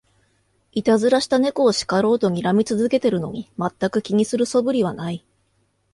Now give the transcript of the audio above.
いたずらした猫を叱ろうとにらみ続けてるのに、まったく気にする素振りはない